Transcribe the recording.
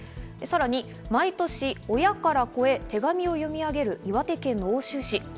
さらに毎年、親から子へ手紙を読み上げる岩手県の奥州市。